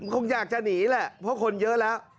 คงอยากจะหนีแหละเพราะคนเยอะแล้ว